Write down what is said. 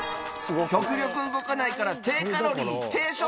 極力動かないから低カロリー低消費